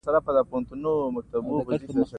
د ساحې توپوګرافي د سرک طولي میل او ګولایي ټاکي